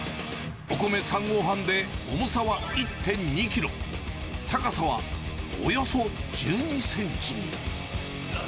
お米３合半で重さは１．２キロ、高さはおよそ１２センチに。